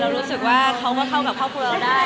รู้สึกว่าเขาก็เข้ากับครอบครัวเราได้